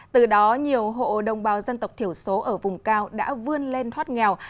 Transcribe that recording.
từ đó nhiều hộ đồng bào dân tộc thiểu số ở vùng cao đã vươn lên thoát nghèo